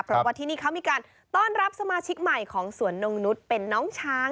เพราะว่าที่นี่เขามีการต้อนรับสมาชิกใหม่ของสวนนงนุษย์เป็นน้องช้าง